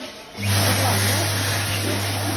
— Совлам нал, коч.